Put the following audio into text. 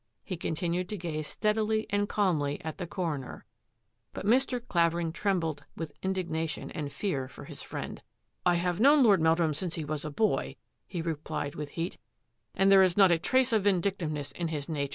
He continued to gaze steadily and calmly at the coroner. But Mr. Clavering trembled with indignation and fear for his friend. " I have known Lord Meldrum since he was a boy," he replied with heat, " and there is not a trace of vindictiveness in his nature."